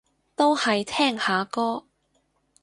都係聽下歌